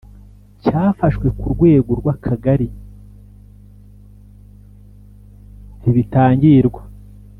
Cyafashwe ku rwego rw akagari ntibitangirwa